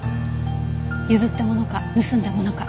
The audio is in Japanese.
譲ったものか盗んだものか